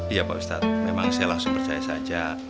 iya pak ustadz memang saya langsung percaya saja